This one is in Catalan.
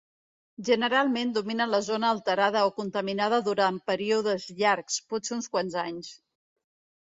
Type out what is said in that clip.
Generalment dominen la zona alterada o contaminada durant períodes llargs, potser uns quants anys.